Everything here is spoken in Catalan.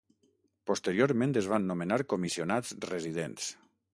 Posteriorment es van nomenar comissionats residents.